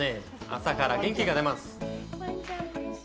朝から元気が出ます。